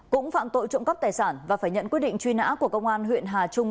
cũng phạm tội trộm cắp tài sản và phải nhận quyết định truy nã của công an huyện hà trung